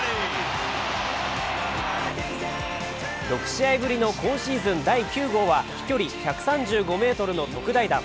６試合ぶりの今シーズン第９号は飛距離１３５ｍの特大弾。